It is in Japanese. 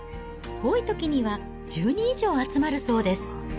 多いときには１０人以上集まるそうです。